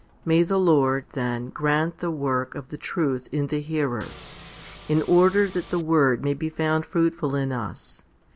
May the Lord, then, grant the work of the truth in the hearers, in order that the word may be found fruitful in us.